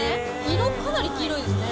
色、かなり黄色いですね。